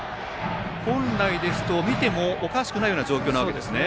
本来ですと見てもおかしくない状況ですね。